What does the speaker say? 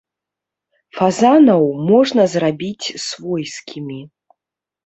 Фазанаў можна зрабіць свойскімі.